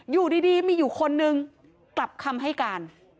อยู่ดีมีอยู่คนนึงกลับคำให้การ